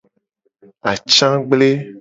Atsa gble.